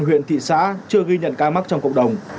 huyện thị xã chưa ghi nhận ca mắc trong cộng đồng